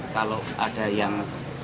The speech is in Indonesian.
kalau ada yang